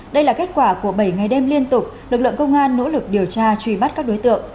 đây là kết quả của bảy ngày đêm liên tục lực lượng công an nỗ lực điều tra truy bắt các đối tượng